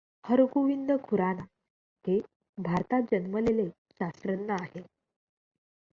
हरगोविंद खुराना हे भारतात जन्मलेले शास्त्रज्ञ आहेत.